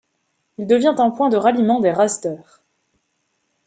Il devient un point de ralliement des raseteurs.